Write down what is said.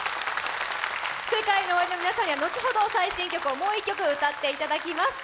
ＳＥＫＡＩＮＯＯＷＡＲＩの皆さんには後ほど最新曲をもう１曲歌っていただきます。